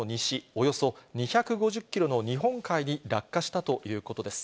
およそ２５０キロの日本海に落下したということです。